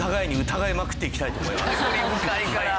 疑り深いから。